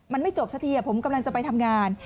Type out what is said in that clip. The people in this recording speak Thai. มันไม่จบสักทีผมกำลังจะไปทำงาน